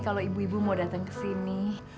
kalau ibu ibu mau datang ke sini